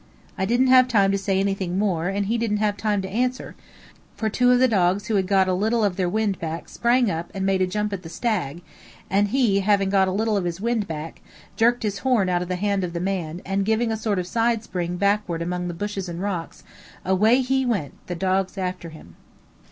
I didn't have time to say anything more, and he didn't have time to answer, for two of the dogs who had got a little of their wind back sprang up and made a jump at the stag; and he, having got a little of his wind back, jerked his horn out of the hand of the man, and giving a sort of side spring backward among the bushes and rocks, away he went, the dogs after him.